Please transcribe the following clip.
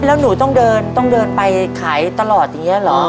แล้วหนูต้องเดินไปขายตลอดอย่างเงี้ยเหรอ